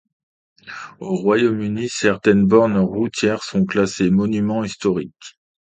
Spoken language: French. Au Royaume-Uni, certaines bornes routières sont classées monument historique.